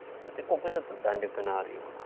ここちょっと弾力のあるような。